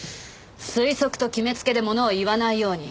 推測と決めつけで物を言わないように。